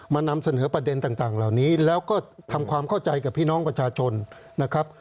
นำเสนอประเด็นต่างเหล่านี้แล้วก็ทำความเข้าใจกับพี่น้องประชาชนนะครับ